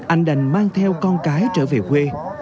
anh đành mang theo con cái trở về quê